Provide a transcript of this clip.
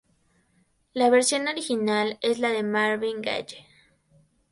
La versión original es la de Marvin Gaye.